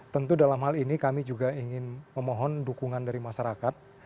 tentu dalam hal ini kami juga ingin memohon dukungan dari masyarakat